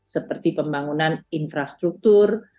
seperti pembangunan infrastruktur